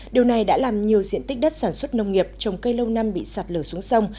điều này đã làm nhiều diện tích đất sản xuất nông nghiệp trồng cây lâu năm bị sạt lở xuống sông